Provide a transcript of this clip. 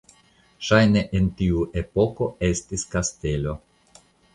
Ŝajne en tiu epoko estis kastelo.